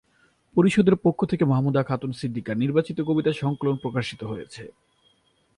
পরিষদের পক্ষ থেকে মাহমুদা খাতুন সিদ্দিকার নির্বাচিত কবিতা সংকলন প্রকশিত হয়েছে।